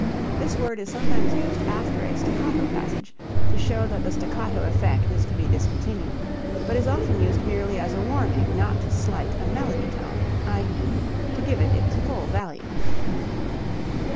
This word is sometimes used after a staccato passage to show that the staccato effect is to be discontinued, but is often used merely as a warning not to slight a melody tone i.e., to give it its full value.